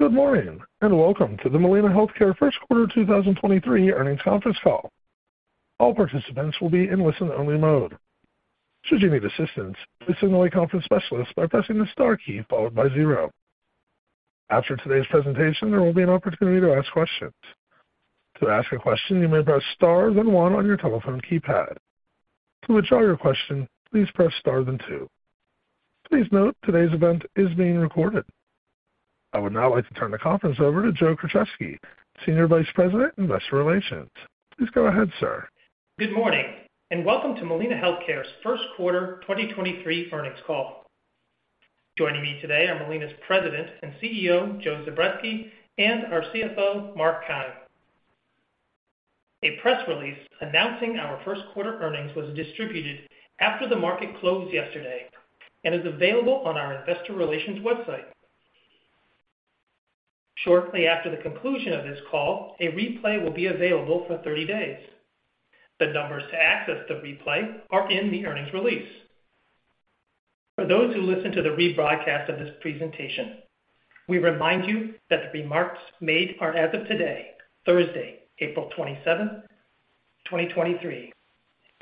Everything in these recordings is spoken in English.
Good morning, welcome to the Molina Healthcare First Quarter 2023 Earnings Conference Call. All participants will be in listen-only mode. Should you need assistance, please signal a conference specialist by pressing the Star key followed by 0. After today's presentation, there will be an opportunity to ask questions. To ask a question, you may press Star then 1 on your telephone keypad. To withdraw your question, please press Star then 2. Please note today's event is being recorded. I would now like to turn the conference over to Joseph Krocheski, Senior Vice President, Investor Relations. Please go ahead, sir. Good morning, and welcome to Molina Healthcare's first quarter 2023 earnings call. Joining me today are Molina's President and CEO, Joe Zubretsky, and our CFO, Mark Keim. A press release announcing our first quarter earnings was distributed after the market closed yesterday and is available on our investor relations website. Shortly after the conclusion of this call, a replay will be available for 30 days. The numbers to access the replay are in the earnings release. For those who listen to the rebroadcast of this presentation, we remind you that the remarks made are as of today, Thursday, April 27th, 2023,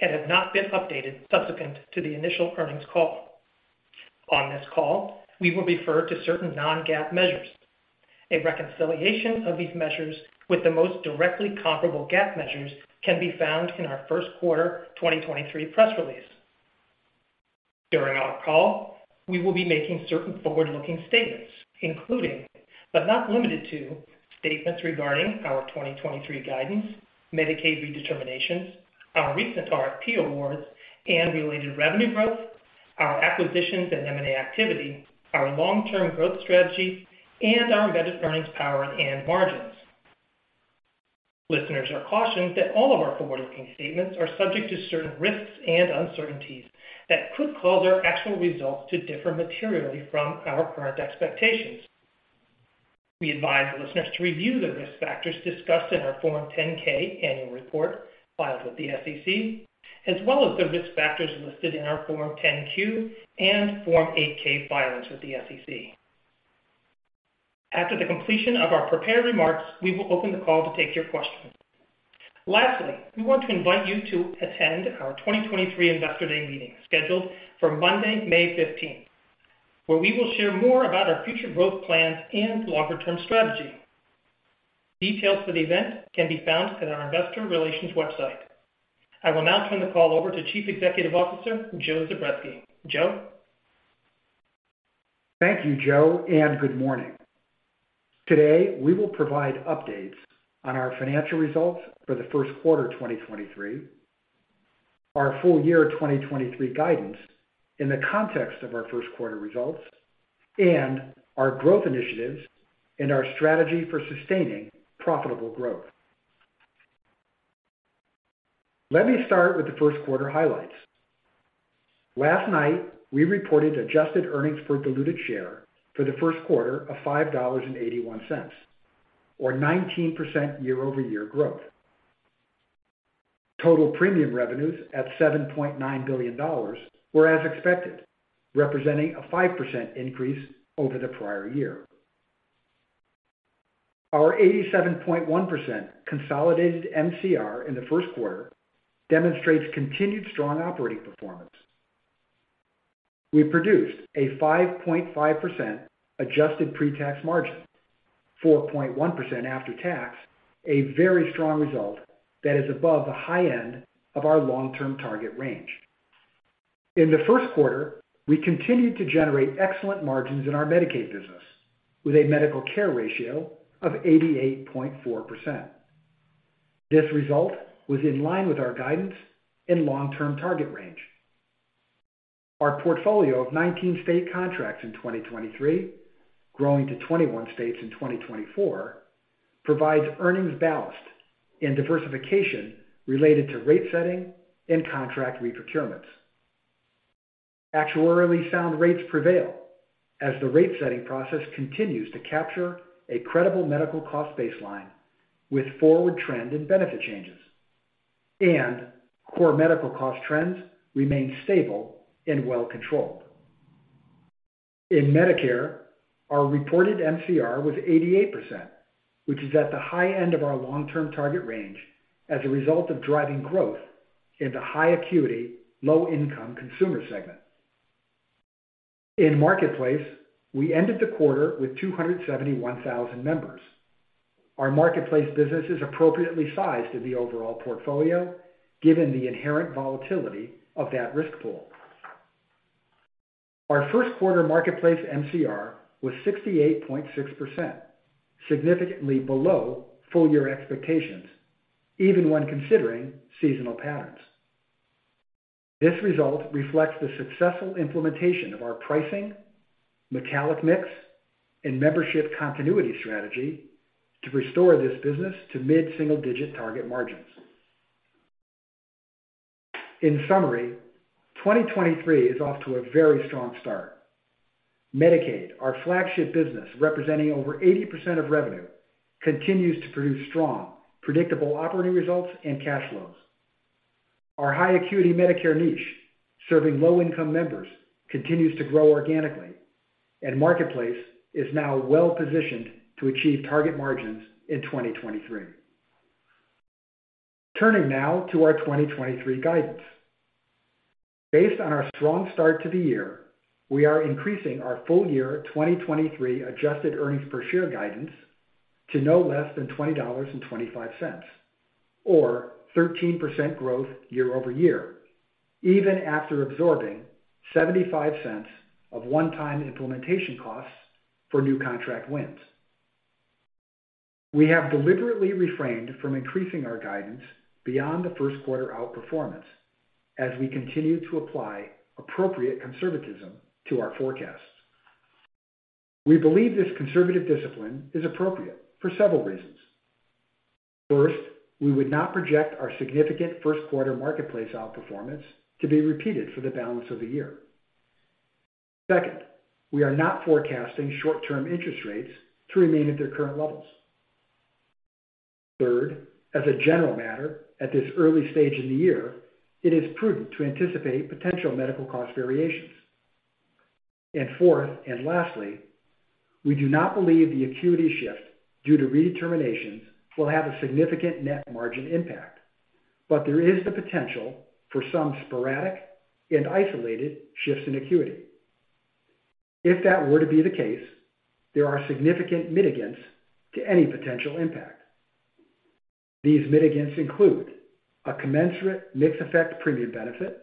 and have not been updated subsequent to the initial earnings call. On this call, we will refer to certain non-GAAP measures. A reconciliation of these measures with the most directly comparable GAAP measures can be found in our first quarter 2023 press release. During our call, we will be making certain forward-looking statements, including, but not limited to, statements regarding our 2023 guidance, Medicaid redeterminations, our recent RFP awards and related revenue growth, our acquisitions and M&A activity, our long-term growth strategy, and our embedded earnings power and margins. Listeners are cautioned that all of our forward-looking statements are subject to certain risks and uncertainties that could cause our actual results to differ materially from our current expectations. We advise listeners to review the risk factors discussed in our Form 10-K annual report filed with the SEC, as well as the risk factors listed in our Form 10-Q and Form 8-K filings with the SEC. After the completion of our prepared remarks, we will open the call to take your questions. Lastly, we want to invite you to attend our 2023 Investor Day meeting scheduled for Monday, May 15th, where we will share more about our future growth plans and longer term strategy. Details for the event can be found at our investor relations website. I will now turn the call over to Chief Executive Officer Joe Zubretsky. Joe. Thank you, Joe. Good morning. Today, we will provide updates on our financial results for the first quarter 2023, our full year 2023 guidance in the context of our first quarter results, and our growth initiatives and our strategy for sustaining profitable growth. Let me start with the first quarter highlights. Last night, we reported adjusted earnings per diluted share for the first quarter of $5.81, or 19% year-over-year growth. Total premium revenues at $7.9 billion were as expected, representing a 5% increase over the prior year. Our 87.1% consolidated MCR in the first quarter demonstrates continued strong operating performance. We produced a 5.5% adjusted pre-tax margin, 4.1% after tax, a very strong result that is above the high end of our long-term target range. In the first quarter, we continued to generate excellent margins in our Medicaid business with a medical care ratio of 88.4%. This result was in line with our guidance and long-term target range. Our portfolio of 19 state contracts in 2023, growing to 21 states in 2024, provides earnings ballast and diversification related to rate setting and contract reprocurements. Actuarially sound rates prevail as the rate setting process continues to capture a credible medical cost baseline with forward trend and benefit changes, and core medical cost trends remain stable and well controlled. In Medicare, our reported MCR was 88%, which is at the high end of our long-term target range as a result of driving growth in the high acuity, low income consumer segment. In Marketplace, we ended the quarter with 271,000 members. Our Marketplace business is appropriately sized to the overall portfolio, given the inherent volatility of that risk pool. Our first quarter Marketplace MCR was 68.6%, significantly below full year expectations, even when considering seasonal patterns. This result reflects the successful implementation of our pricing, metallic mix, and membership continuity strategy to restore this business to mid-single digit target margins. In summary, 2023 is off to a very strong start. Medicaid, our flagship business representing over 80% of revenue, continues to produce strong, predictable operating results and cash flows. Our high acuity Medicare niche serving low income members continues to grow organically, and Marketplace is now well positioned to achieve target margins in 2023. Turning now to our 2023 guidance. Based on our strong start to the year, we are increasing our full year 2023 adjusted earnings per share guidance to no less than $20.25, or 13% growth year-over-year, even after absorbing $0.75 of one-time implementation costs for new contract wins. We have deliberately refrained from increasing our guidance beyond the first quarter outperformance as we continue to apply appropriate conservatism to our forecasts. We believe this conservative discipline is appropriate for several reasons. First, we would not project our significant first quarter marketplace outperformance to be repeated for the balance of the year. Second, we are not forecasting short term interest rates to remain at their current levels. Third, as a general matter, at this early stage in the year, it is prudent to anticipate potential medical cost variations. Fourth, and lastly, we do not believe the acuity shift due to redeterminations will have a significant net margin impact. There is the potential for some sporadic and isolated shifts in acuity. If that were to be the case, there are significant mitigants to any potential impact. These mitigants include a commensurate mix effect premium benefit,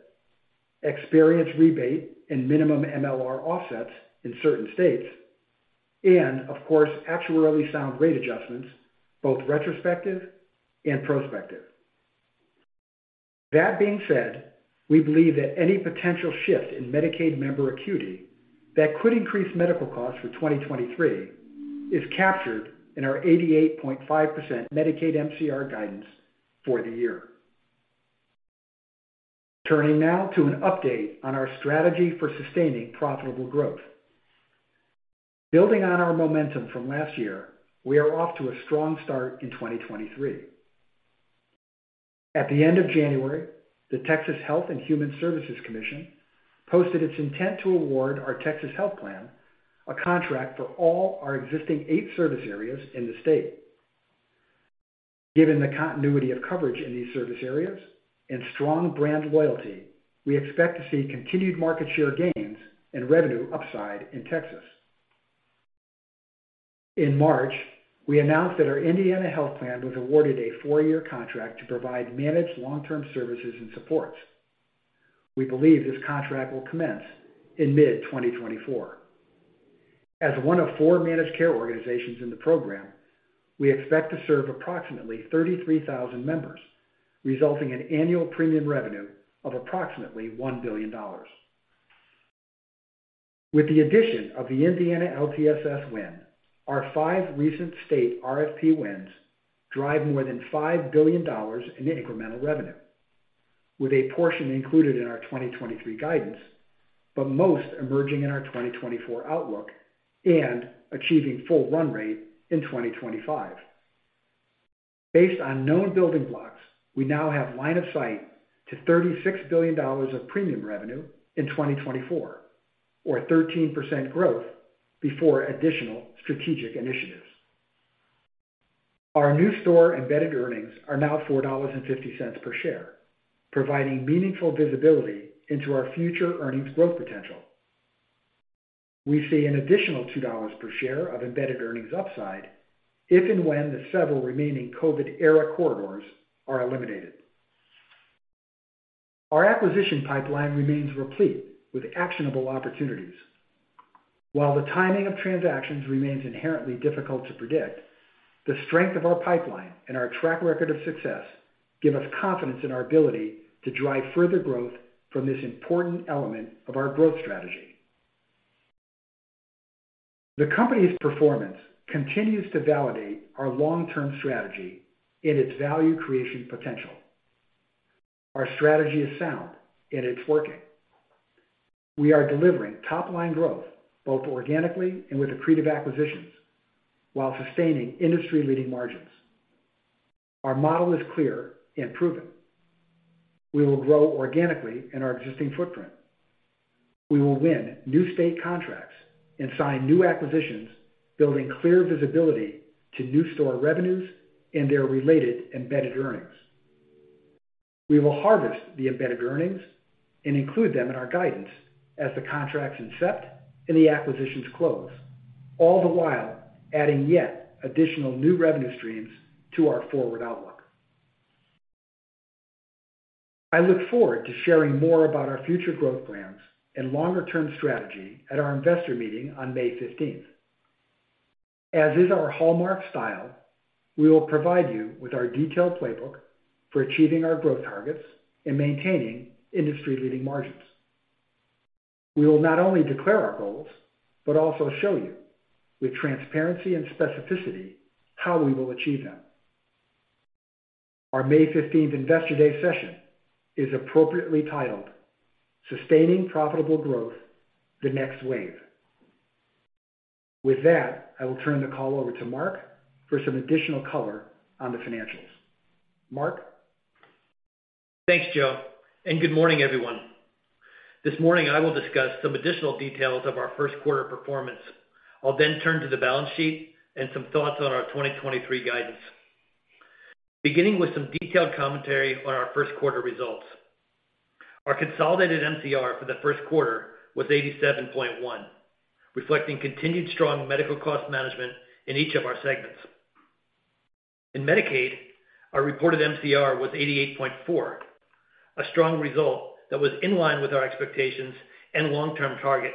experience rebate, and minimum MLR offsets in certain states, and of course, actuarially sound rate adjustments, both retrospective and prospective. Being said, we believe that any potential shift in Medicaid member acuity that could increase medical costs for 2023 is captured in our 88.5% Medicaid MCR guidance for the year. Turning now to an update on our strategy for sustaining profitable growth. Building on our momentum from last year, we are off to a strong start in 2023. At the end of January, the Texas Health and Human Services Commission posted its intent to award our Texas Health Plan a contract for all our existing 8 service areas in the state. Given the continuity of coverage in these service areas and strong brand loyalty, we expect to see continued market share gains and revenue upside in Texas. In March, we announced that our Indiana Health Plan was awarded a 4-year contract to provide managed long term services and supports. We believe this contract will commence in mid-2024. As 1 of 4 managed care organizations in the program, we expect to serve approximately 33,000 members, resulting in annual premium revenue of approximately $1 billion. With the addition of the Indiana LTSS win, our five recent state RFP wins drive more than $5 billion in incremental revenue, with a portion included in our 2023 guidance, most emerging in our 2024 outlook and achieving full run rate in 2025. Based on known building blocks, we now have line of sight to $36 billion of premium revenue in 2024, or 13% growth before additional strategic initiatives. Our new store embedded earnings are now $4.50 per share, providing meaningful visibility into our future earnings growth potential. We see an additional $2 per share of embedded earnings upside if and when the several remai ning COVID-era corridors are eliminated. Our acquisition pipeline remains replete with actionable opportunities. While the timing of transactions remains inherently difficult to predict, the strength of our pipeline and our track record of success give us confidence in our ability to drive further growth from this important element of our growth strategy. The company's performance continues to validate our long-term strategy and its value creation potential. Our strategy is sound, and it's working. We are delivering top-line growth both organically and with accretive acquisitions while sustaining industry-leading margins. Our model is clear and proven. We will grow organically in our existing footprint. We will win new state contracts and sign new acquisitions, building clear visibility to new store revenues and their related embedded earnings. We will harvest the embedded earnings and include them in our guidance as the contracts incept and the acquisitions close, all the while adding yet additional new revenue streams to our forward outlook. I look forward to sharing more about our future growth plans and longer term strategy at our investor meeting on May 15th. As is our hallmark style, we will provide you with our detailed playbook for achieving our growth targets and maintaining industry leading margins. We will not only declare our goals, but also show you with transparency and specificity how we will achieve them. Our May 15th Investor Day session is appropriately titled Sustaining Profitable Growth: The Next Wave. I will turn the call over to Mark for some additional color on the financials. Mark? Thanks, Joe. Good morning, everyone. This morning, I will discuss some additional details of our first quarter performance. I'll then turn to the balance sheet and some thoughts on our 2023 guidance. Beginning with some detailed commentary on our first quarter results. Our consolidated MCR for the first quarter was 87.1%, reflecting continued strong medical cost management in each of our segments. In Medicaid, our reported MCR was 88.4%, a strong result that was in line with our expectations and long-term target.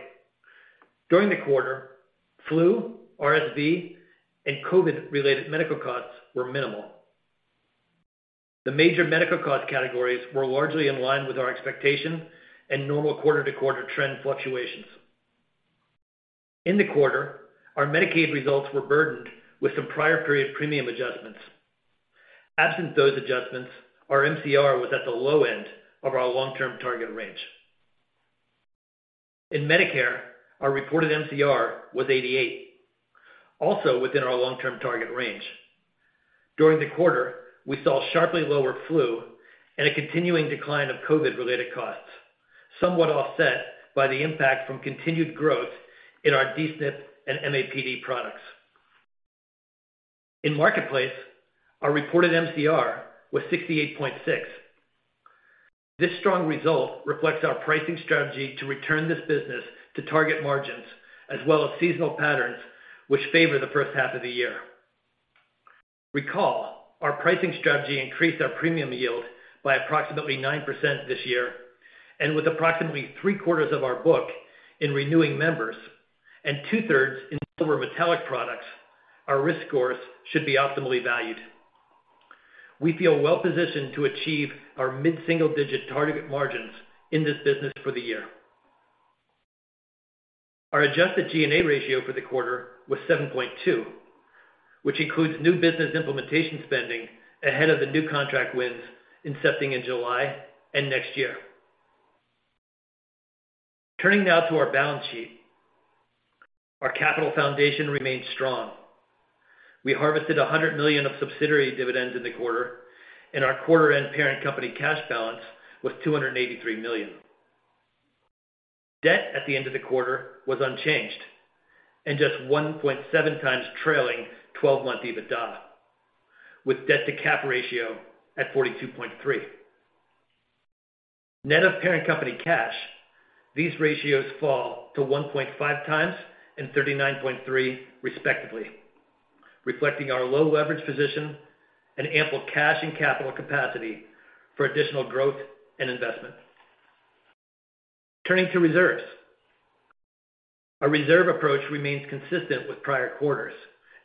During the quarter, flu, RSV, and COVID-related medical costs were minimal. The major medical cost categories were largely in line with our expectation and normal quarter-to-quarter trend fluctuations. In the quarter, our Medicaid results were burdened with some prior period premium adjustments. Absent those adjustments, our MCR was at the low end of our long-term target range. In Medicare, our reported MCR was 88%, also within our long-term target range. During the quarter, we saw sharply lower flu and a continuing decline of COVID-related costs, somewhat offset by the impact from continued growth in our D-SNP and MAPD products. In Marketplace, our reported MCR was 68.6%. This strong result reflects our pricing strategy to return this business to target margins as well as seasonal patterns which favor the first half of the year. Recall, our pricing strategy increased our premium yield by approximately 9% this year, and with approximately 3/4 of our book in renewing members and 2/3 in Silver metallic products, our risk scores should be optimally valued. We feel well positioned to achieve our mid-single-digit target margins in this business for the year. Our adjusted G&A ratio for the quarter was 7.2%, which includes new business implementation spending ahead of the new contract wins incepting in July and next year. Turning now to our balance sheet. Our capital foundation remains strong. We harvested $100 million of subsidiary dividends in the quarter, and our quarter-end parent company cash balance was $283 million. Debt at the end of the quarter was unchanged and just 1.7x trailing twelve-month EBITDA, with debt-to-cap ratio at 42.3%. Net of parent company cash, these ratios fall to 1.5x and 39.3%, respectively, reflecting our low leverage position and ample cash and capital capacity for additional growth and investment. Turning to reserves. Our reserve approach remains consistent with prior quarters,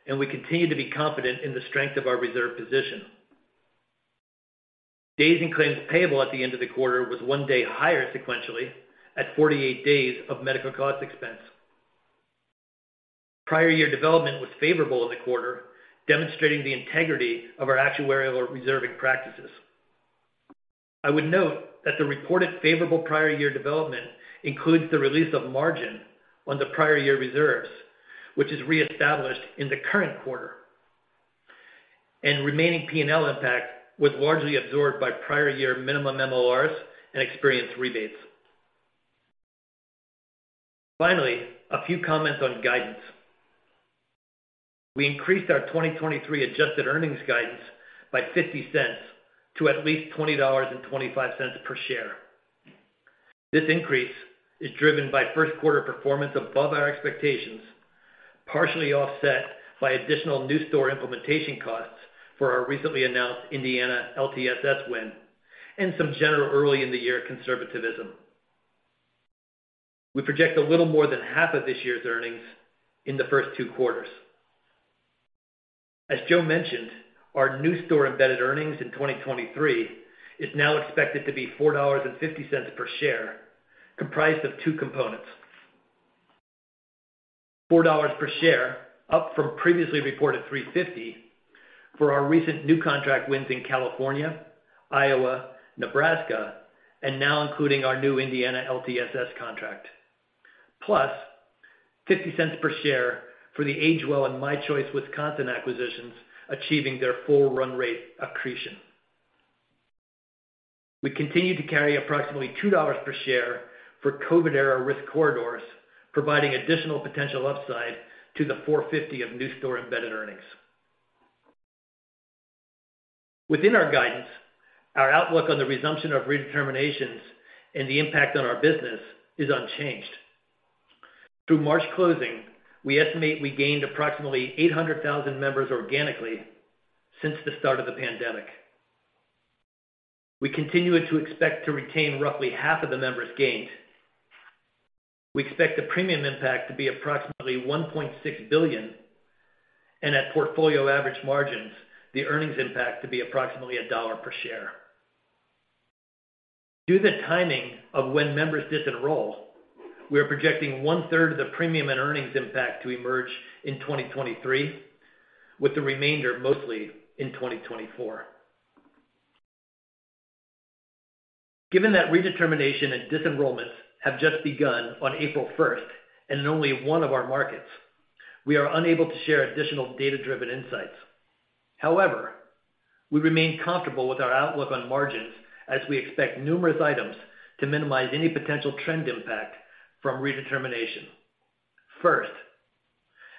and we continue to be confident in the strength of our reserve position. Days in claims payable at the end of the quarter was 1 day higher sequentially at 48 days of medical cost expense. Prior year development was favorable in the quarter, demonstrating the integrity of our actuarial reserving practices. I would note that the reported favorable prior year development includes the release of margin on the prior year reserves, which is reestablished in the current quarter. Remaining P&L impact was largely absorbed by prior year minimum MLRS and experience rebates. Finally, a few comments on guidance. We increased our 2023 adjusted earnings guidance by $0.50 to at least $20.25 per share. This increase is driven by first quarter performance above our expectations, partially offset by additional new store implementation costs for our recently announced Indiana LTSS win and some general early in the year conservativism. We project a little more than half of this year's earnings in the first two quarters. As Joe mentioned, our new store embedded earnings in 2023 is now expected to be $4.50 per share, comprised of two components. $4 per share, up from previously reported $3.50 for our recent new contract wins in California, Iowa, Nebraska, and now including our new Indiana LTSS contract. Plus $0.50 per share for the AgeWell and MyChoice Wisconsin acquisitions achieving their full run rate accretion. We continue to carry approximately $2 per share for COVID-era risk corridors, providing additional potential upside to the $4.50 of new store embedded earnings. Within our guidance, our outlook on the resumption of redeterminations and the impact on our business is unchanged. Through March closing, we estimate we gained approximately 800,000 members organically since the start of the pandemic. We continue to expect to retain roughly half of the members gained. We expect the premium impact to be approximately $1.6 billion, and at portfolio average margins, the earnings impact to be approximately $1 per share. Due to the timing of when members disenroll, we are projecting one-third of the premium and earnings impact to emerge in 2023, with the remainder mostly in 2024. Given that redetermination and disenrollments have just begun on April 1st in only one of our markets, we are unable to share additional data-driven insights. However, we remain comfortable with our outlook on margins as we expect numerous items to minimize any potential trend impact from redetermination. First,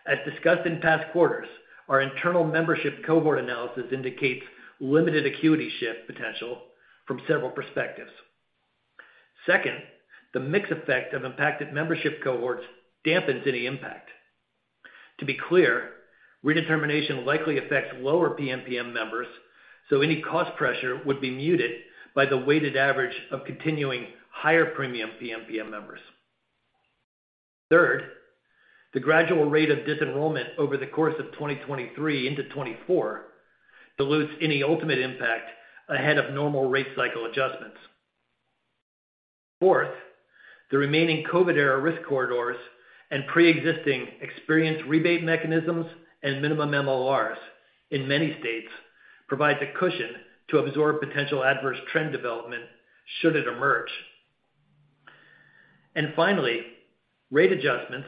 as discussed in past quarters, our internal membership cohort analysis indicates limited acuity shift potential from several perspectives. Second, the mix effect of impacted membership cohorts dampens any impact. To be clear, redetermination likely affects lower PMPM members, so any cost pressure would be muted by the weighted average of continuing higher premium PMPM members. Third, the gradual rate of disenrollment over the course of 2023 into 2024 dilutes any ultimate impact ahead of normal rate cycle adjustments. Fourth, the remaining COVID era risk corridors and pre-existing experience rebate mechanisms and minimum MLRS in many states provides a cushion to absorb potential adverse trend development should it emerge. Finally, rate adjustments,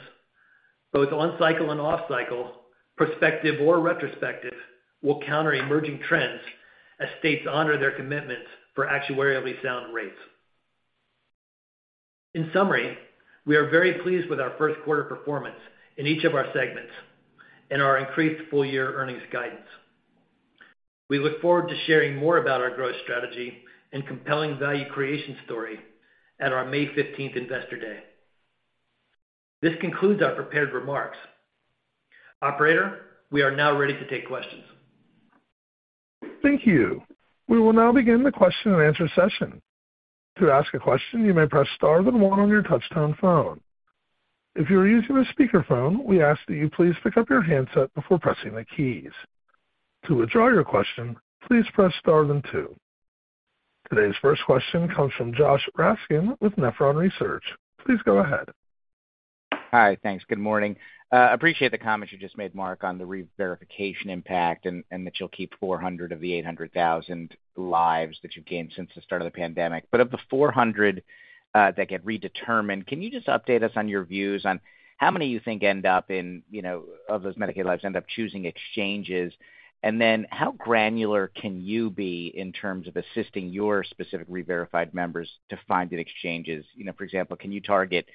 both on cycle and off cycle, prospective or retrospective, will counter emerging trends as states honor their commitments for actuarially sound rates. In summary, we are very pleased with our first quarter performance in each of our segments and our increased full-year earnings guidance. We look forward to sharing more about our growth strategy and compelling value creation story at our May fifteenth investor day. This concludes our prepared remarks. Operator, we are now ready to take questions. Thank you. We will now begin the question and answer session. To ask a question, you may press star then 1 on your touchtone phone. If you are using a speakerphone, we ask that you please pick up your handset before pressing the keys. To withdraw your question, please press star then 2. Today's first question comes from Josh Raskin with Nephron Research. Please go ahead. Hi. Thanks. Good morning. Appreciate the comments you just made, Mark, on the reverification impact and that you'll keep 400 of the 800,000 lives that you've gained since the start of the pandemic. Of the 400 that get redetermined, can you just update us on your views on how many you think end up in, you know, of those Medicaid lives end up choosing exchanges? How granular can you be in terms of assisting your specific reverified members to find the exchanges? You know, for example, can you target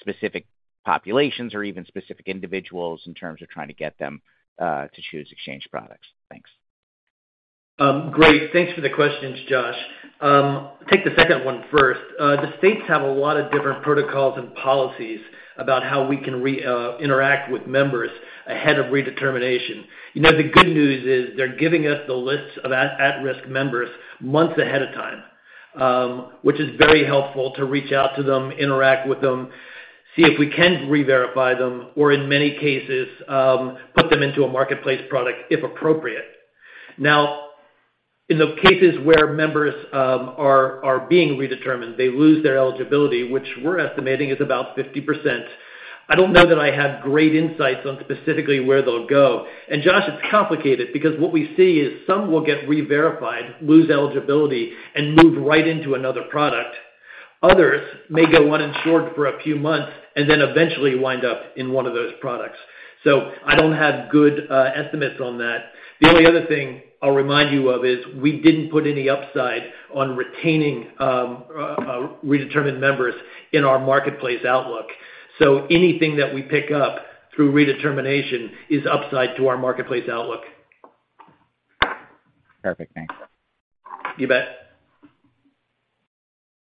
specific populations or even specific individuals in terms of trying to get them to choose exchange products? Thanks. Great. Thanks for the questions, Josh. Take the second one first. The states have a lot of different protocols and policies about how we can interact with members ahead of redetermination. You know, the good news is they're giving us the lists of at-risk members months ahead of time, which is very helpful to reach out to them, interact with them, see if we can reverify them, or in many cases, put them into a marketplace product if appropriate. Now, in the cases where members are being redetermined, they lose their eligibility, which we're estimating is about 50%. I don't know that I have great insights on specifically where they'll go. Josh, it's complicated because what we see is some will get reverified, lose eligibility, and move right into another product. Others may go uninsured for a few months and then eventually wind up in one of those products. I don't have good estimates on that. The only other thing I'll remind you of is we didn't put any upside on retaining redetermined members in our marketplace outlook. Anything that we pick up through redetermination is upside to our marketplace outlook. Perfect. Thanks. You bet.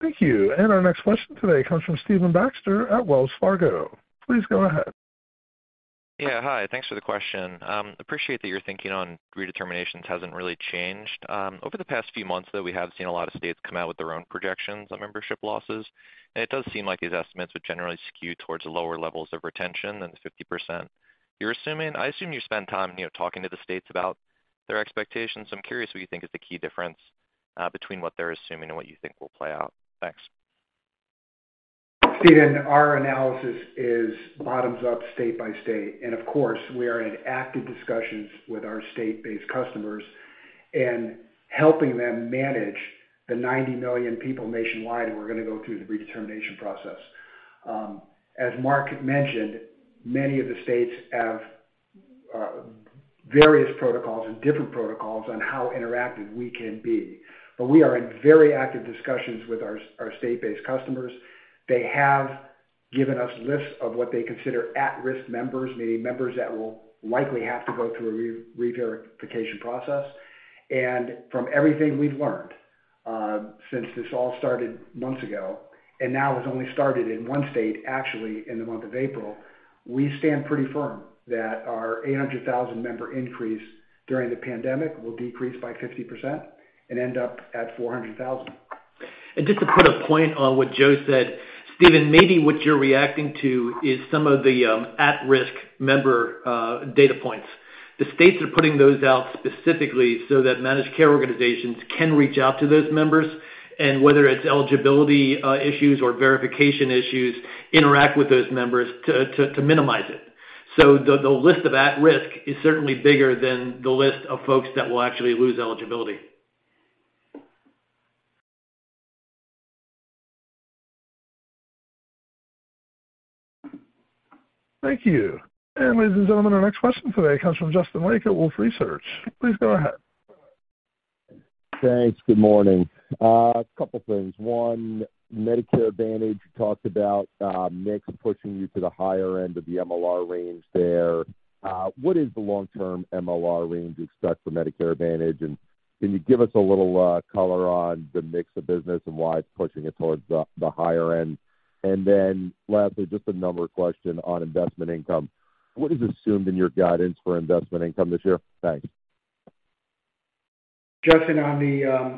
Thank you. Our next question today comes from Stephen Baxter at Wells Fargo. Please go ahead. Yeah. Hi. Thanks for the question. Appreciate that your thinking on redeterminations hasn't really changed. Over the past few months, though, we have seen a lot of states come out with their own projections on membership losses. It does seem like these estimates would generally skew towards lower levels of retention than the 50% you're assuming. I assume you spend time, you know, talking to the states about their expectations. I'm curious what you think is the key difference between what they're assuming and what you think will play out. Thanks. Stephen, our analysis is bottoms up state by state. Of course, we are in active discussions with our state-based customers and helping them manage the 90 million people nationwide who are gonna go through the redetermination process. As Mark mentioned, many of the states have various protocols and different protocols on how interactive we can be, but we are in very active discussions with our state-based customers. They have given us lists of what they consider at-risk members, meaning members that will likely have to go through a reverification process. From everything we've learned, since this all started months ago, and now has only started in 1 state, actually, in the month of April, we stand pretty firm that our 800,000 member increase during the pandemic will decrease by 50% and end up at 400,000. Just to put a point on what Joe said, Stephen, maybe what you're reacting to is some of the at-risk member data points. The states are putting those out specifically so that managed care organizations can reach out to those members, and whether it's eligibility issues or verification issues, interact with those members to minimize it. The, the list of at-risk is certainly bigger than the list of folks that will actually lose eligibility. Thank you. Ladies and gentlemen, our next question today comes from Justin Lake at Wolfe Research. Please go ahead. Thanks. Good morning. a couple things. One, Medicare Advantage, you talked about, mix pushing you to the higher end of the MLR range there. What is the long-term MLR range you expect for Medicare Advantage? Can you give us a little color on the mix of business and why it's pushing it towards the higher end? Lastly, just a number question on investment income. What is assumed in your guidance for investment income this year? Thanks. Justin, on the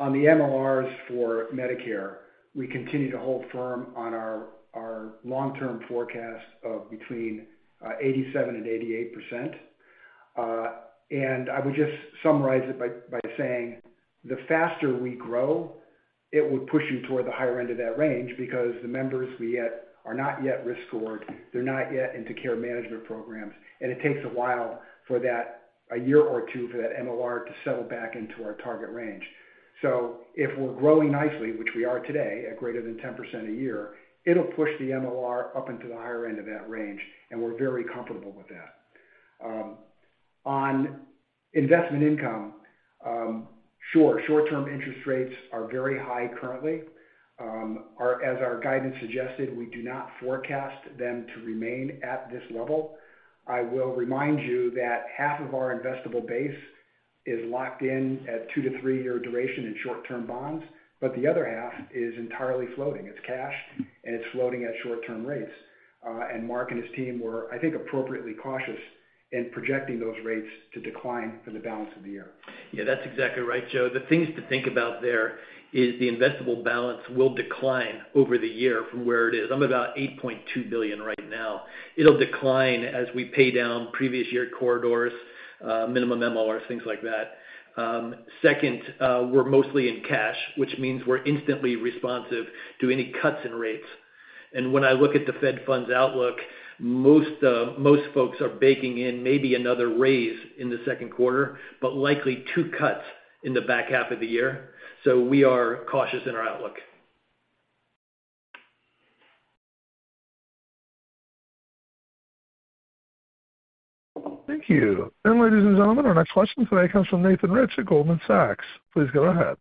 MLR for Medicare, we continue to hold firm on our long-term forecast of between 87% and 88%. I would just summarize it by saying the faster we grow, it would push you toward the higher end of that range because the members we get are not yet risk scored, they're not yet into care management programs, and it takes a while for that, a year or 2 for that MLR to settle back into our target range. If we're growing nicely, which we are today, at greater than 10% a year, it'll push the MLR up into the higher end of that range, and we're very comfortable with that. On investment income, sure, short-term interest rates are very high currently. As our guidance suggested, we do not forecast them to remain at this level. I will remind you that half of our investable base is locked in at two to three-year duration in short-term bonds, but the other half is entirely floating. It's cash, it's floating at short-term rates. Mark Keim and his team were, I think, appropriately cautious in projecting those rates to decline for the balance of the year. That's exactly right, Joe Zubretsky. The things to think about there is the investable balance will decline over the year from where it is. I'm about $8.2 billion right now. It'll decline as we pay down previous year corridors, minimum MLRS, things like that. Second, we're mostly in cash, which means we're instantly responsive to any cuts in rates. When I look at the Fed funds outlook, most folks are baking in maybe another raise in the second quarter, but likely two cuts in the back half of the year. We are cautious in our outlook. Thank you. Ladies and gentlemen, our next question today comes from Nathan Rich at Goldman Sachs. Please go ahead.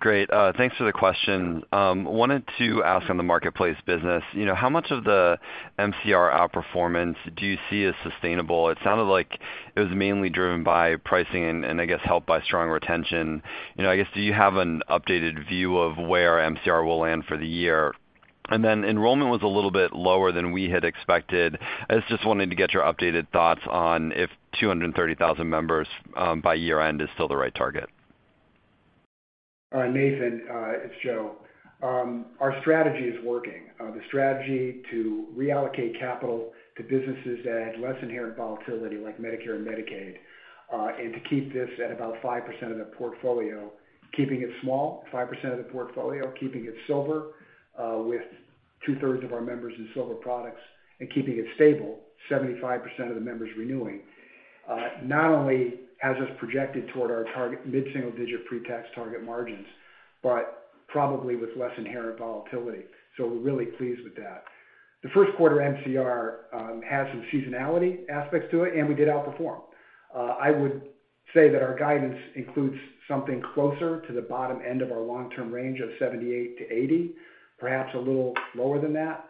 Great. Thanks for the question. Wanted to ask on the marketplace business, you know, how much of the MCR outperformance do you see as sustainable? It sounded like it was mainly driven by pricing and I guess helped by strong retention. You know, I guess, do you have an updated view of where MCR will land for the year? Enrollment was a little bit lower than we had expected. I was just wanting to get your updated thoughts on if 230,000 members by year-end is still the right target. Nathan Rich, it's Joe Zubretsky. Our strategy is working. The strategy to reallocate capital to businesses that had less inherent volatility, like Medicare and Medicaid, and to keep this at about 5% of the portfolio, keeping it small, 5% of the portfolio, keeping it silver, with two-thirds of our members in silver products and keeping it stable, 75% of the members renewing, not only has us projected toward our target mid-single-digit pre-tax target margins, but probably with less inherent volatility. We're really pleased with that. The first quarter MCR had some seasonality aspects to it, and we did outperform. I would say that our guidance includes something closer to the bottom end of our long-term range of 78%-80%, perhaps a little lower than that.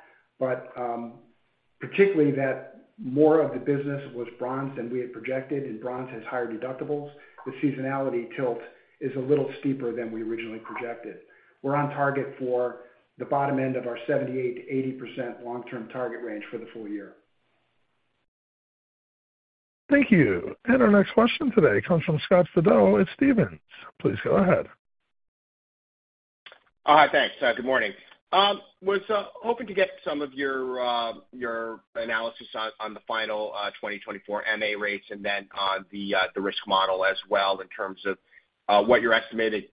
Particularly that more of the business was bronze than we had projected, and bronze has higher deductibles. The seasonality tilt is a little steeper than we originally projected. We're on target for the bottom end of our 78%-80% long-term target range for the full year. Thank you. Our next question today comes from Scott Fidel at Stephens. Please go ahead. Thanks. Good morning. I was hoping to get some of your analysis on the final 2024 MA rates and then on the risk model as well in terms of what your estimated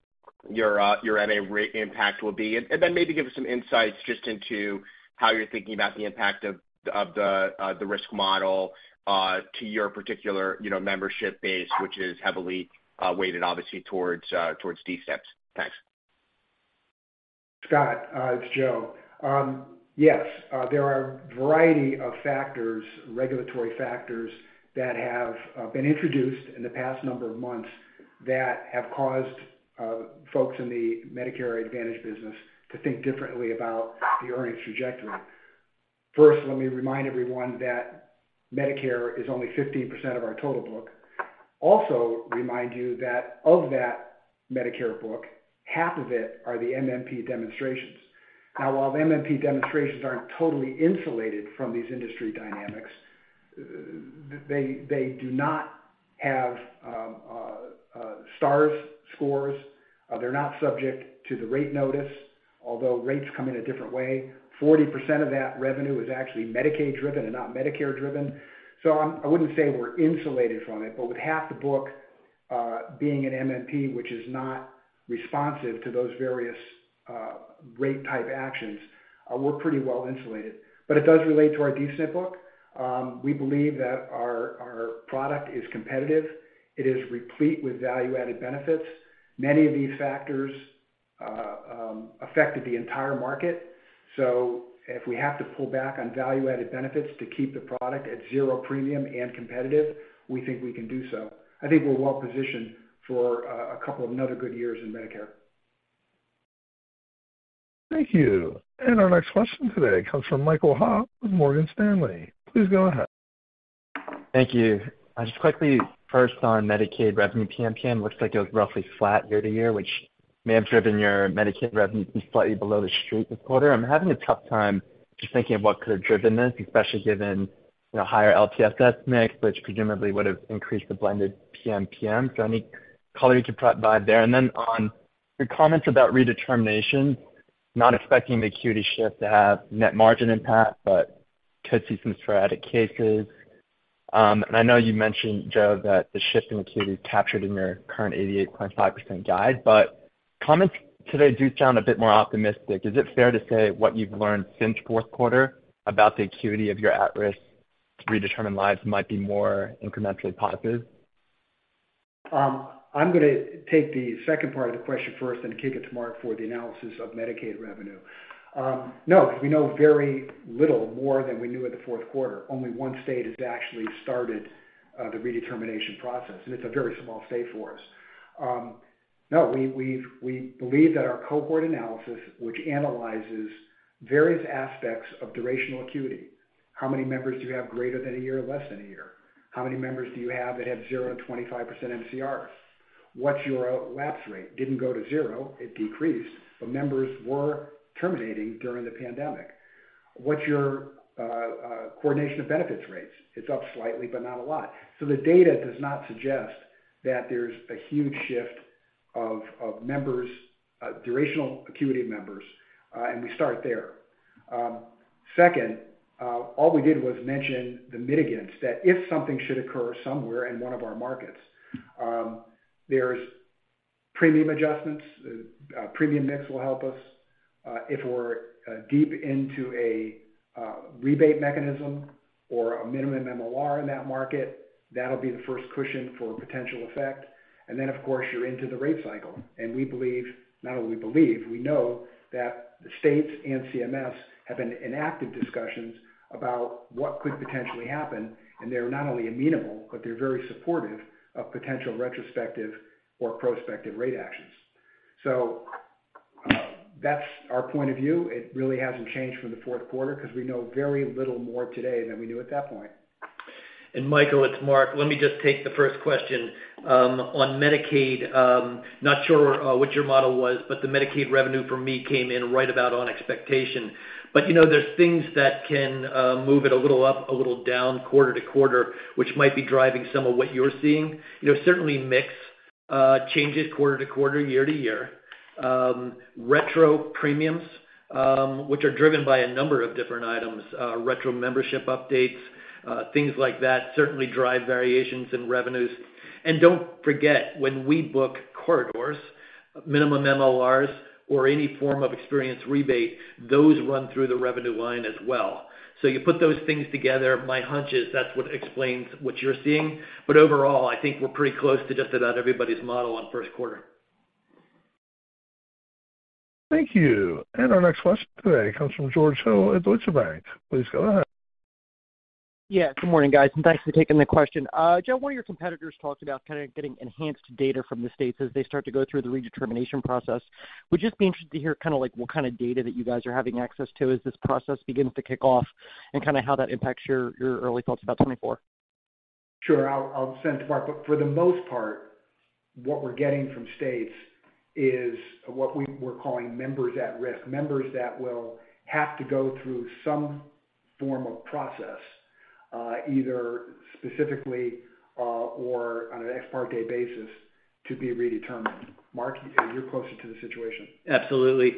MA rate impact will be. And then maybe give us some insights just into how you're thinking about the impact of the risk model to your particular, you know, membership base, which is heavily weighted obviously towards D-SNPs. Thanks. Scott, it's Joe. Yes, there are a variety of factors, regulatory factors that have been introduced in the past number of months that have caused folks in the Medicare Advantage business to think differently about the earnings trajectory. First, let me remind everyone that Medicare is only 15% of our total book. Also remind you that of that Medicare book, half of it are the MMP demonstrations. Now, while the MMP demonstrations aren't totally insulated from these industry dynamics, they do not have stars scores. They're not subject to the rate notice, although rates come in a different way. 40% of that revenue is actually Medicaid driven and not Medicare driven. I wouldn't say we're insulated from it, but with half the book being an MMP which is not responsive to those various rate type actions, we're pretty well insulated. It does relate to our D-SNP book. We believe that our product is competitive, it is replete with value-added benefits. Many of these factors affected the entire market. If we have to pull back on value-added benefits to keep the product at zero premium and competitive, we think we can do so. I think we're well positioned for a couple of another good years in Medicare. Thank you. Our next question today comes from Michael Ha with Morgan Stanley. Please go ahead. Thank you. Just quickly, first on Medicaid revenue PMPM, looks like it was roughly flat year to year, which may have driven your Medicaid revenue to be slightly below the street this quarter. I'm having a tough time just thinking of what could have driven this, especially given, you know, higher LTSS mix, which presumably would have increased the blended PMPM. Any color you could provide there? On your comments about redetermination, not expecting the acuity shift to have net margin impact, but could see some sporadic cases. I know you mentioned, Joe, that the shift in acuity is captured in your current 88.5% guide. Comments today do sound a bit more optimistic. Is it fair to say what you've learned since fourth quarter about the acuity of your at-risk redetermined lives might be more incrementally positive? I'm gonna take the second part of the question first and kick it to Mark for the analysis of Medicaid revenue. No, we know very little more than we knew at the fourth quarter. Only one state has actually started the redetermination process, and it's a very small state for us. No, we believe that our cohort analysis, which analyzes various aspects of durational acuity, how many members do you have greater than a year, less than a year? How many members do you have that have 0% to 25% MCRs? What's your lapse rate? Didn't go to 0, it decreased, but members were terminating during the pandemic. What's your coordination of benefits rates? It's up slightly, but not a lot. The data does not suggest that there's a huge shift of members, durational acuity members, and we start there. Second, all we did was mention the mitigants that if something should occur somewhere in one of our markets, there's premium adjustments, premium mix will help us. If we're deep into a rebate mechanism or a minimum MLR in that market, that'll be the first cushion for potential effect. Of course, you're into the rate cycle. We believe, not only we believe, we know that the states and CMS have been in active discussions about what could potentially happen, and they're not only amenable, but they're very supportive of potential retrospective or prospective rate actions. That's our point of view. It really hasn't changed from the fourth quarter because we know very little more today than we knew at that point. Michael, it's Mark. Let me just take the first question. On Medicaid, not sure what your model was, the Medicaid revenue for me came in right about on expectation. You know, there's things that can move it a little up, a little down quarter to quarter, which might be driving some of what you're seeing. You know, certainly mix changes quarter to quarter, year to year. Retro premiums, which are driven by a number of different items, retro membership updates, things like that certainly drive variations in revenues. Don't forget, when we book corridors, minimum MLRS or any form of experience rebate, those run through the revenue line as well. You put those things together, my hunch is that's what explains what you're seeing. Overall, I think we're pretty close to just about everybody's model on first quarter. Thank you. Our next question today comes from George Hill at Deutsche Bank. Please go ahead. Good morning, guys, and thanks for taking the question. Joe, one of your competitors talked about kind of getting enhanced data from the states as they start to go through the redetermination process. Would just be interested to hear kind of like what kind of data that you guys are having access to as this process begins to kick off and kind of how that impacts your early thoughts about 2024? Sure. I'll send to Mark. For the most part, what we're getting from states is what we're calling members at risk. Members that will have to go through some form of process, either specifically, or on an ex parte basis to be redetermined. Mark, you're closer to the situation. Absolutely.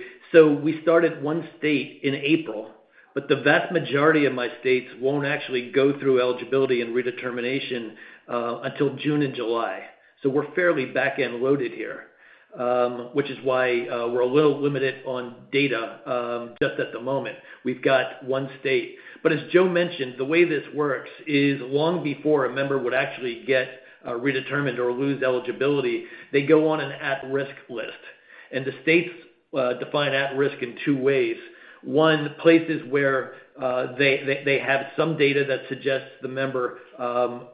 We started one state in April, but the vast majority of my states won't actually go through eligibility and redetermination until June and July. We're fairly back-end loaded here, which is why we're a little limited on data just at the moment. We've got one state. As Joe mentioned, the way this works is long before a member would actually get redetermined or lose eligibility, they go on an at-risk list. The states define at risk in two ways. One, places where they have some data that suggests the member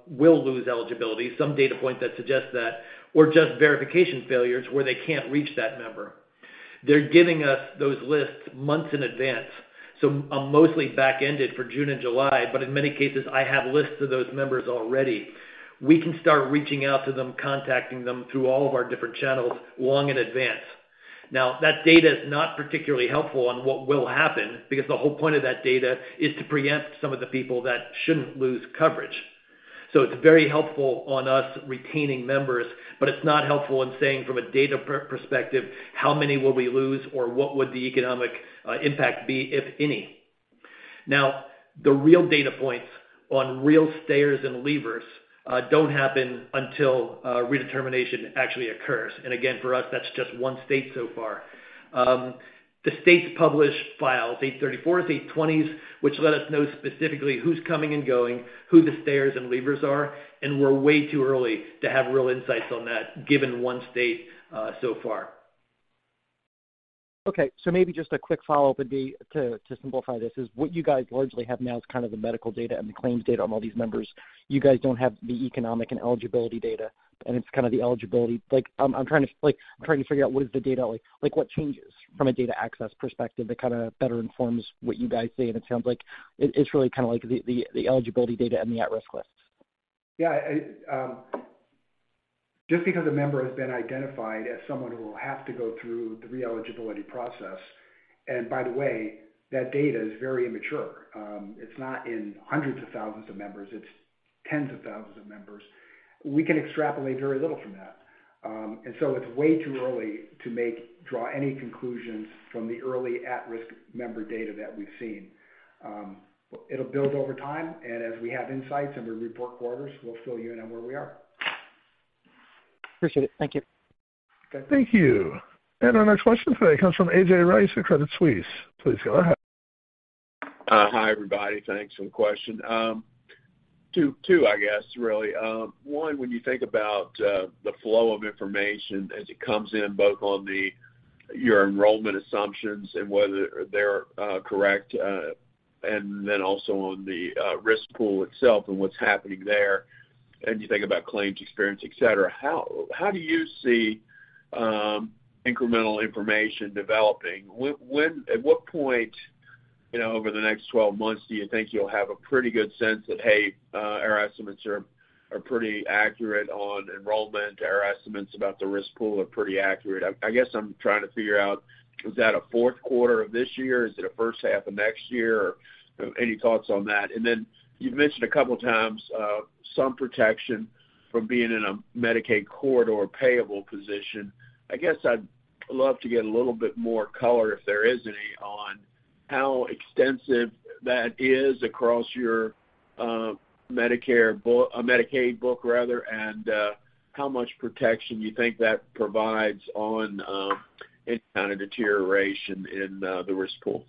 will lose eligibility, some data point that suggests that, or just verification failures where they can't reach that member. They're giving us those lists months in advance. I'm mostly back-ended for June and July, but in many cases, I have lists of those members already. We can start reaching out to them, contacting them through all of our different channels long in advance. That data is not particularly helpful on what will happen because the whole point of that data is to preempt some of the people that shouldn't lose coverage. It's very helpful on us retaining members, but it's not helpful in saying from a data perspective, how many will we lose or what would the economic impact be, if any? The real data points on real stayers and leavers don't happen until redetermination actually occurs. Again, for us, that's just one state so far. The states publish files, 834s, 820s, which let us know specifically who's coming and going, who the stayers and leavers are. We're way too early to have real insights on that, given one state so far. Okay. Maybe just a quick follow-up would be to simplify this is what you guys largely have now is kind of the medical data and the claims data on all these members. You guys don't have the economic and eligibility data, and it's kind of the eligibility. I'm trying to figure out what is the data like? Like, what changes from a data access perspective that kind of better informs what you guys see? It sounds like it's really kind of like the eligibility data and the at-risk lists. I, just because a member has been identified as someone who will have to go through the re-eligibility process, by the way, that data is very immature. It's not in hundreds of thousands of members, it's tens of thousands of members. We can extrapolate very little from that. So it's way too early to draw any conclusions from the early at-risk member data that we've seen. It'll build over time, as we have insights and we report quarters, we'll fill you in on where we are. Appreciate it. Thank you. Okay. Thank you. Our next question today comes from A.J. Rice at Credit Suisse. Please go ahead. Hi, everybody. Thanks for the question. Two, I guess really. One, when you think about the flow of information as it comes in both on your enrollment assumptions and whether they're correct, and then also on the risk pool itself and what's happening there, and you think about claims experience, et cetera. How do you see incremental information developing? At what point, you know, over the next 12 months do you think you'll have a pretty good sense that, hey, our estimates are pretty accurate on enrollment, our estimates about the risk pool are pretty accurate? I guess I'm trying to figure out, is that a fourth quarter of this year? Is it a first half of next year? Or any thoughts on that. You've mentioned a couple of times, some protection from being in a Medicaid corridor payable position. I guess I'd love to get a little bit more color, if there is any, on how extensive that is across your Medicaid book rather, and how much protection you think that provides on any kind of deterioration in the risk pools.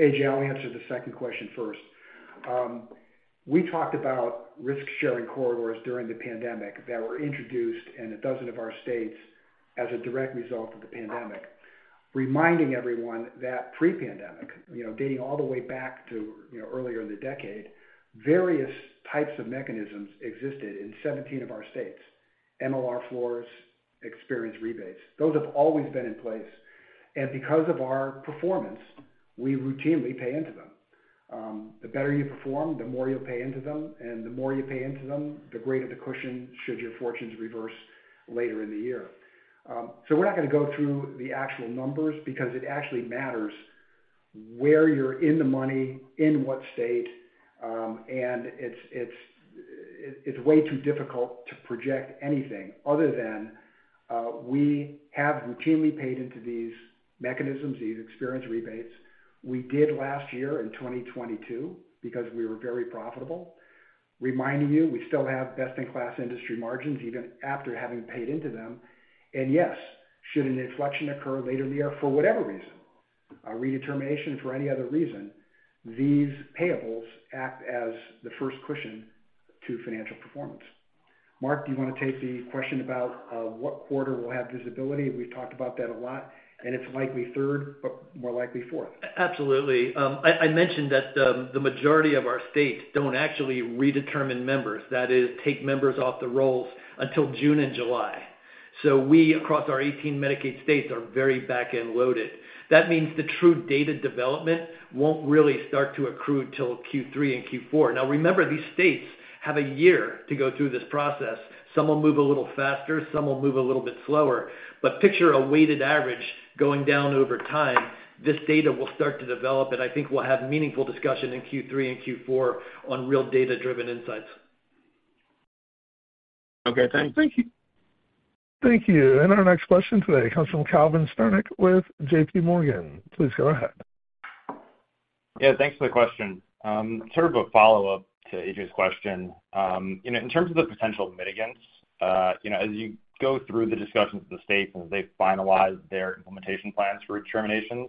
AJ, I'll answer the second question first. We talked about risk-sharing corridors during the pandemic that were introduced in 12 of our states as a direct result of the pandemic, reminding everyone that pre-pandemic, you know, dating all the way back to, you know, earlier in the decade, various types of mechanisms existed in 17 of our states. MLR floors, experience rebates. Those have always been in place. Because of our performance, we routinely pay into them. The better you perform, the more you'll pay into them, and the more you pay into them, the greater the cushion should your fortunes reverse later in the year. We're not gonna go through the actual numbers because it actually matters where you're in the money, in what state, and it's way too difficult to project anything other than, we have routinely paid into these mechanisms, these experience rebates. We did last year in 2022 because we were very profitable, reminding you we still have best-in-class industry margins even after having paid into them. Yes, should an inflection occur later in the year, for whatever reason, a redetermination for any other reason, these payables act as the first cushion to financial performance. Mark, do you wanna take the question about, what quarter we'll have visibility? We've talked about that a lot, and it's likely third, but more likely fourth. Absolutely. I mentioned that the majority of our states don't actually redetermine members, that is, take members off the rolls until June and July. We, across our 18 Medicaid states, are very back-end loaded. That means the true data development won't really start to accrue till Q3 and Q4. Remember, these states have a year to go through this process. Some will move a little faster, some will move a little bit slower. But picture a weighted average going down over time. This data will start to develop, and I think we'll have meaningful discussion in Q3 and Q4 on real data-driven insights. Okay. Thanks. Thank you. Thank you. Our next question today comes from Calvin Sternick with JP Morgan. Please go ahead. Yeah, thanks for the question. Sort of a follow-up to AJ's question. You know, in terms of the potential mitigants, you know, as you go through the discussions with the states and as they finalize their implementation plans for determinations,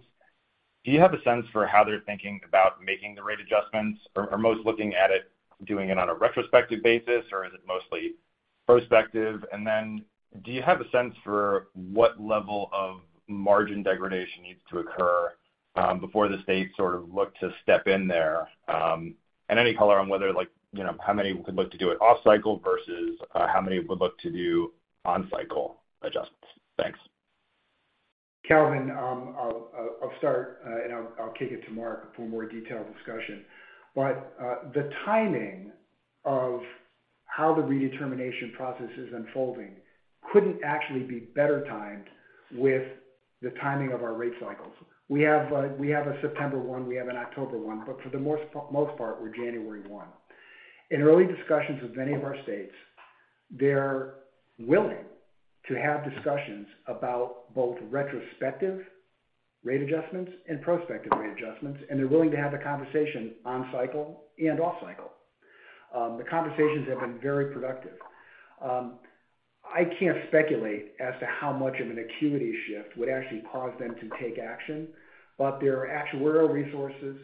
do you have a sense for how they're thinking about making the rate adjustments? Or most looking at it, doing it on a retrospective basis, or is it mostly prospective? Do you have a sense for what level of margin degradation needs to occur before the state sort of look to step in there? And any color on whether like, you know, how many could look to do it off cycle versus how many would look to do on cycle adjustments? Thanks. Calvin, I'll start, and I'll kick it to Mark for more detailed discussion. The timing of how the redetermination process is unfolding couldn't actually be better timed with the timing of our rate cycles. We have a September 1, we have an October 1, but for the most part, we're January 1. In early discussions with many of our states. They're willing to have discussions about both retrospective rate adjustments and prospective rate adjustments, and they're willing to have the conversation on cycle and off cycle. The conversations have been very productive. I can't speculate as to how much of an acuity shift would actually cause them to take action, but their actuarial resources,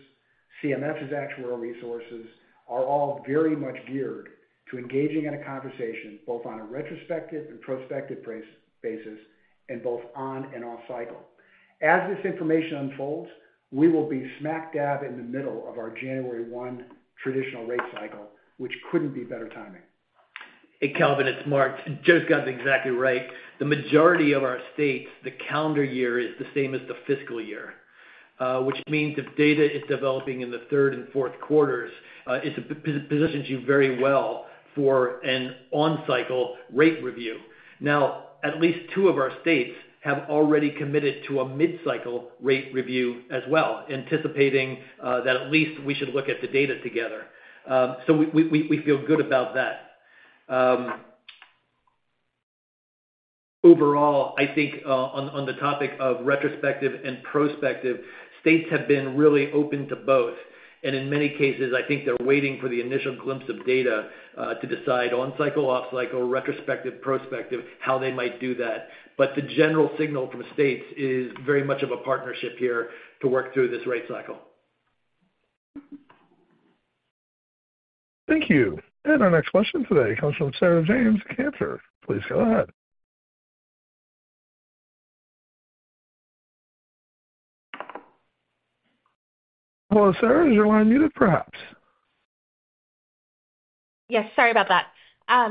CMCS's actuarial resources, are all very much geared to engaging in a conversation, both on a retrospective and prospective basis, and both on and off cycle. As this information unfolds, we will be smack dab in the middle of our January 1 traditional rate cycle, which couldn't be better timing. Hey, Calvin, it's Mark. Joe's got it exactly right. The majority of our states, the calendar year is the same as the fiscal year, which means if data is developing in the 3rd and 4th quarters, it positions you very well for an on-cycle rate review. At least 2 of our states have already committed to a mid-cycle rate review as well, anticipating that at least we should look at the data together. We feel good about that. Overall, I think, on the topic of retrospective and prospective, states have been really open to both, and in many cases, I think they're waiting for the initial glimpse of data, to decide on cycle, off cycle, retrospective, prospective, how they might do that. The general signal from states is very much of a partnership here to work through this rate cycle. Thank you. Our next question today comes from Sarah James, Cantor. Please go ahead. Hello, Sarah. Is your line muted, perhaps? Yes. Sorry about that. I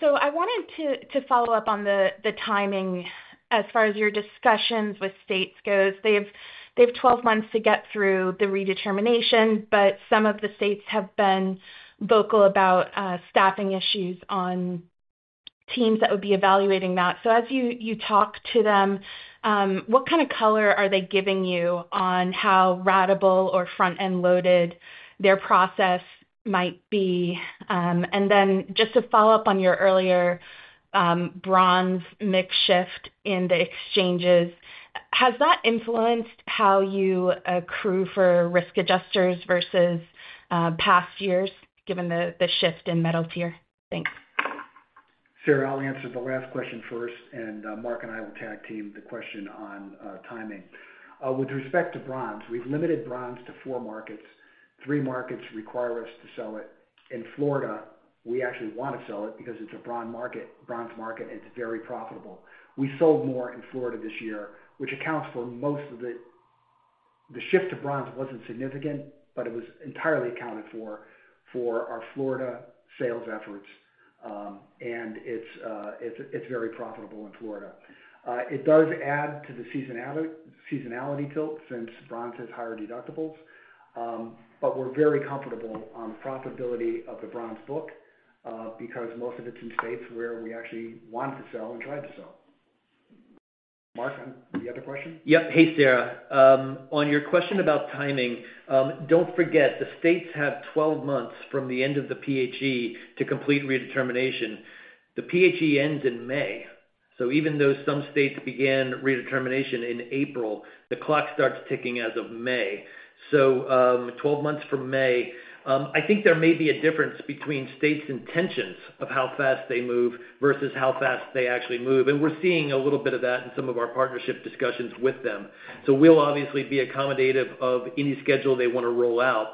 wanted to follow up on the timing as far as your discussions with states goes. They've 12 months to get through the redetermination, but some of the states have been vocal about staffing issues on teams that would be evaluating that. As you talk to them, what kind of color are they giving you on how ratable or front-end loaded their process might be? Then just to follow up on your earlier bronze mix shift in the exchanges, has that influenced how you accrue for risk adjusters versus past years given the shift in metal tier? Thanks. Sarah, I'll answer the last question first, and Mark and I will tag team the question on timing. With respect to bronze, we've limited bronze to 4 markets. 3 markets require us to sell it. In Florida, we actually want to sell it because it's a bronze market, and it's very profitable. We sold more in Florida this year, which accounts for most of it. The shift to bronze wasn't significant, but it was entirely accounted for our Florida sales efforts. It's very profitable in Florida. It does add to the seasonality tilt since bronze has higher deductibles. We're very comfortable on the profitability of the bronze book because most of it's in states where we actually want to sell and try to sell. Mark, the other question? Yep. Hey, Sarah. On your question about timing, don't forget the states have 12 months from the end of the PHE to complete redetermination. The PHE ends in May. Even though some states began redetermination in April, the clock starts ticking as of May. 12 months from May, I think there may be a difference between states intentions of how fast they move versus how fast they actually move. We're seeing a little bit of that in some of our partnership discussions with them. We'll obviously be accommodative of any schedule they want to roll out.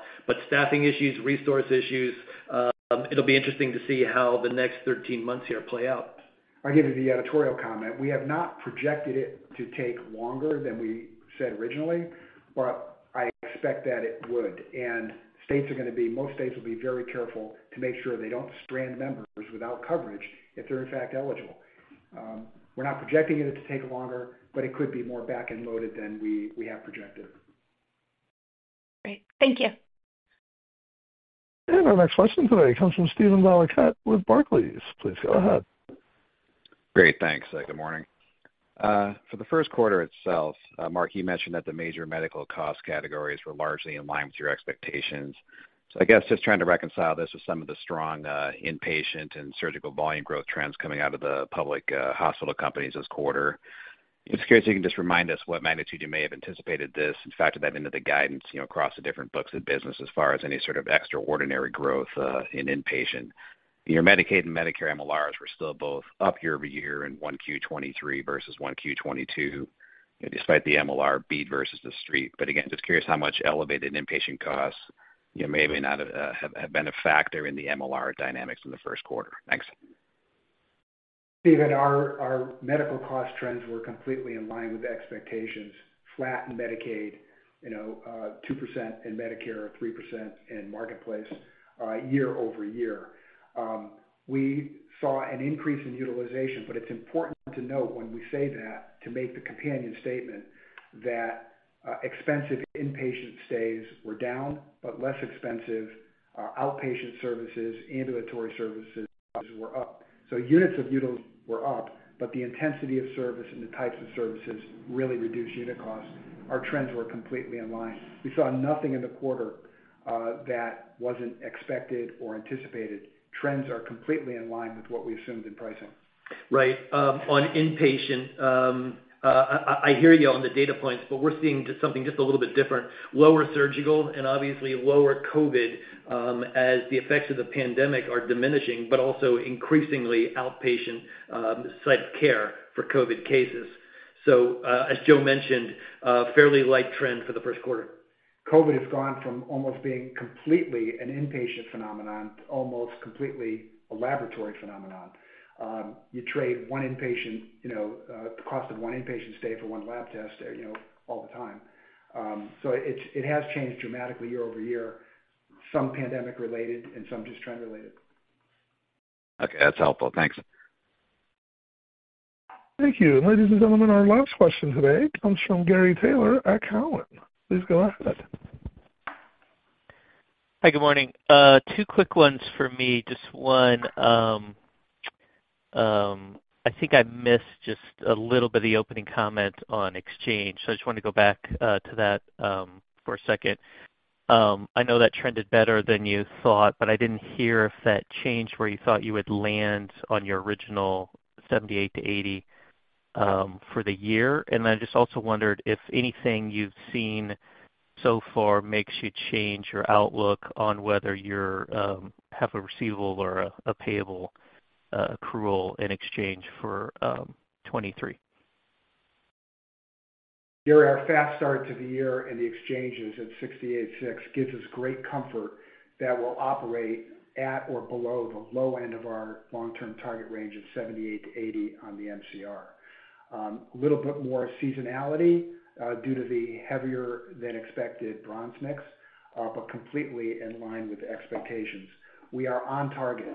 Staffing issues, resource issues, it'll be interesting to see how the next 13 months here play out. I'll give you the editorial comment. We have not projected it to take longer than we said originally, but I expect that it would. States are gonna be most states will be very careful to make sure they don't strand members without coverage if they're in fact eligible. We're not projecting it to take longer, but it could be more back-end loaded than we have projected. Great. Thank you. Our next question today comes from Steven Valiquette with Barclays. Please go ahead. Great. Thanks. Good morning. For the first quarter itself, Mark, you mentioned that the major medical cost categories were largely in line with your expectations. I guess just trying to reconcile this with some of the strong inpatient and surgical volume growth trends coming out of the public hospital companies this quarter. Just curious if you can just remind us what magnitude you may have anticipated this and factored that into the guidance, you know, across the different books of business as far as any sort of extraordinary growth in inpatient. Your Medicaid and Medicare MLRS were still both up year-over-year in 1Q 2023 versus 1Q 2022, despite the MLR beat versus the street. Again, just curious how much elevated inpatient costs, you know, may or may not, have been a factor in the MLR dynamics in the first quarter? Thanks. Stephen, our medical cost trends were completely in line with expectations. Flat in Medicaid, you know, 2% in Medicare, 3% in Marketplace, year-over-year. We saw an increase in utilization, but it's important to note when we say that to make the companion statement that expensive inpatient stays were down, but less expensive outpatient services, ambulatory services were up. Units of utilization were up, but the intensity of service and the types of services really reduced unit costs. Our trends were completely in line. We saw nothing in the quarter that wasn't expected or anticipated. Trends are completely in line with what we assumed in pricing. Right. On inpatient, I hear you on the data points, we're seeing just something just a little bit different. Lower surgical and obviously lower COVID, as the effects of the pandemic are diminishing, also increasingly outpatient site care for COVID cases. As Joe mentioned, a fairly light trend for the first quarter. COVID has gone from almost being completely an inpatient phenomenon to almost completely a laboratory phenomenon. You trade one inpatient, you know, the cost of one inpatient stay for one lab test, you know, all the time. It's, it has changed dramatically year-over-year, some pandemic related and some just trend related. Okay, that's helpful. Thanks. Thank you. Ladies and gentlemen, our last question today comes from Gary Taylor at Cowen. Please go ahead. Hi, good morning. two quick ones for me. Just one, I think I missed just a little bit of the opening comment on exchange, so I just wanna go back to that for a second. I know that trended better than you thought, but I didn't hear if that changed where you thought you would land on your original 78-80 for the year. I just also wondered if anything you've seen so far makes you change your outlook on whether you're have a receivable or a payable accrual in exchange for 2023. Gary, our fast start to the year in the exchanges at 68.6% gives us great comfort that we'll operate at or below the low end of our long-term target range of 78%-80% on the MCR. A little bit more seasonality due to the heavier than expected bronze mix, but completely in line with expectations. We are on target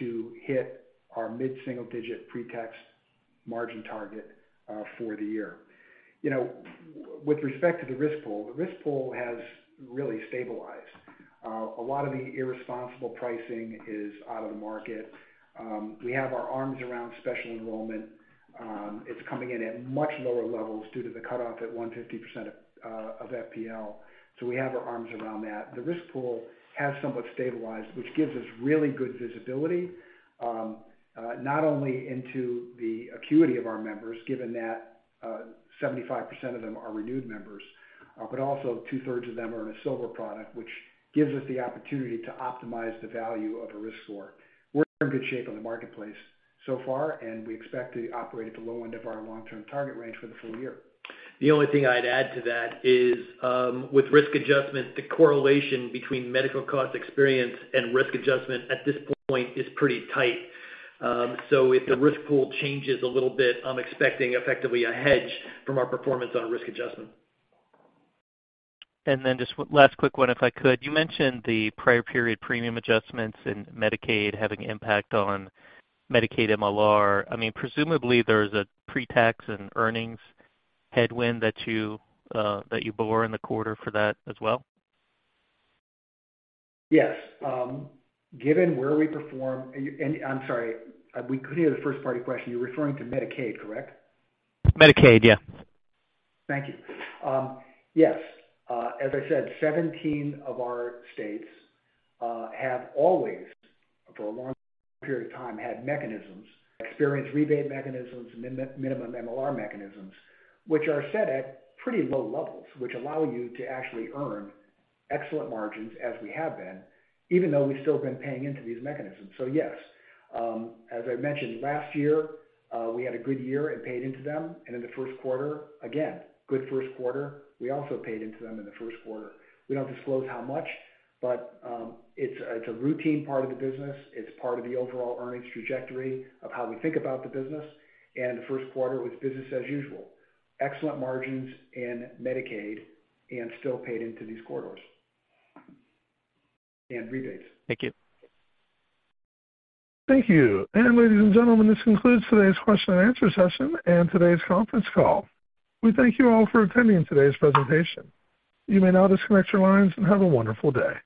to hit our mid-single digit pre-tax margin target for the year. You know, with respect to the risk pool, the risk pool has really stabilized. A lot of the irresponsible pricing is out of the market. We have our arms around special enrollment. It's coming in at much lower levels due to the cutoff at 150% of FPL. We have our arms around that. The risk pool has somewhat stabilized, which gives us really good visibility, not only into the acuity of our members, given that 75% of them are renewed members, but also two-thirds of them are in a silver product, which gives us the opportunity to optimize the value of a risk score. We're in good shape in the marketplace so far, and we expect to operate at the low end of our long-term target range for the full year. The only thing I'd add to that is, with risk adjustment, the correlation between medical cost experience and risk adjustment at this point is pretty tight. If the risk pool changes a little bit, I'm expecting effectively a hedge from our performance on risk adjustment. Just one last quick one, if I could? You mentioned the prior period premium adjustments in Medicaid having impact on Medicaid MLR. I mean, presumably there's a pre-tax and earnings headwind that you bore in the quarter for that as well? Yes. given where we perform. I'm sorry, we couldn't hear the first part of your question. You're referring to Medicaid, correct? Medicaid, yeah. Thank you. Yes, as I said, 17 of our states have always, for a long period of time, had mechanisms, experience rebate mechanisms, minimum MLR mechanisms, which are set at pretty low levels, which allow you to actually earn excellent margins as we have been, even though we've still been paying into these mechanisms. Yes, as I mentioned, last year, we had a good year and paid into them. In the first quarter, again, good first quarter, we also paid into them in the first quarter. We don't disclose how much, but it's a routine part of the business. It's part of the overall earnings trajectory of how we think about the business. The first quarter was business as usual. Excellent margins in Medicaid and still paid into these corridors. Rebates. Thank you. Thank you. Ladies and gentlemen, this concludes today's question and answer session and today's conference call. We thank you all for attending today's presentation. You may now disconnect your lines and have a wonderful day.